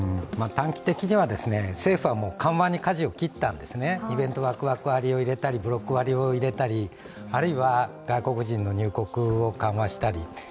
短期的には、政府は緩和にかじを切ったんですね、イベントワクワク割を入れたり、ブロック割を入れたり、あるいは外国人の入国を緩和したり。